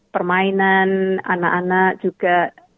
permainan anak anak juga